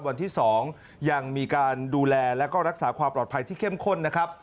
วันที่๒ยังมีการดูแลแล้วก็รักษาความปลอดภัยที่เข้มข้นนะครับ